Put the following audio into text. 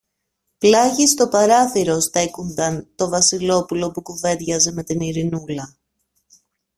Πλάγι στο παράθυρο στέκουνταν το Βασιλόπουλο που κουβέντιαζε με την Ειρηνούλα